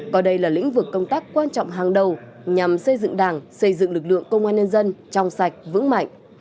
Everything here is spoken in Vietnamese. coi đây là lĩnh vực công tác quan trọng hàng đầu nhằm xây dựng đảng xây dựng lực lượng công an nhân dân trong sạch vững mạnh